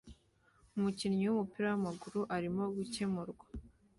Umukinnyi wumupira wamaguru arimo gukemurwa